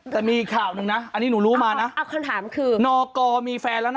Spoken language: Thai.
แต่มีอีกข่าวหนึ่งนะอันนี้หนูรู้มานะเอาคำถามคือนอกรมีแฟนแล้วนะ